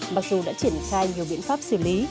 mặc dù đã triển khai nhiều biện pháp xử lý